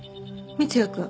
三ツ矢くん。